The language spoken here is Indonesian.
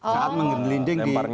saat menggelinding di lapangan